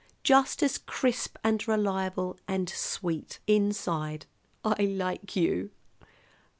Just as crisp and reliable and sweet inside! I like you."